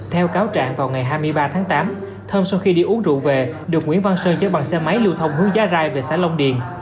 theo cáo trạng vào ngày hai mươi ba tháng tám thơm sau khi đi uống rượu về được nguyễn văn sơn chở bằng xe máy lưu thông hướng giá rai về xã long điền